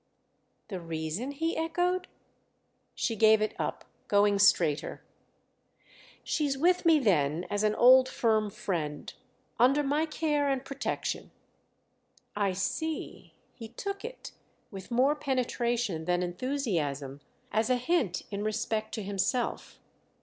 "'The reason'?" he echoed. She gave it up, going straighter. "She's with me then as an old firm friend. Under my care and protection." "I see"—he took it, with more penetration than enthusiasm, as a hint in respect to himself.